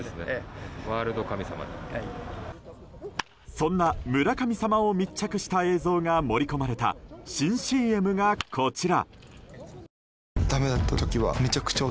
そんな村神様を密着した映像が盛り込まれた新ＣＭがこちら。